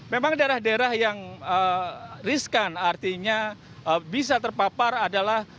memang daerah daerah yang riskan artinya bisa terpapar adalah